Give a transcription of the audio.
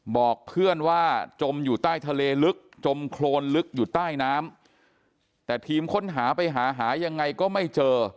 บอกเพื่อนว่าจมอยู่ใต้ทะเลลึกจมโครนลึกอยู่ใต้น้ำแต่ทีมค้นหาไปหาหายังไงก็ไม่เจอ